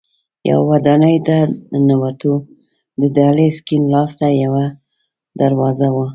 یوه ودانۍ ته ننوتو، د دهلېز کیڼ لاس ته یوه دروازه وه.